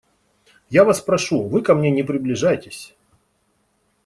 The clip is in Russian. Я вас прошу, вы ко мне не приближайтесь.